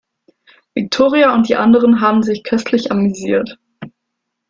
Viktoria und die anderen haben sich köstlich amüsiert.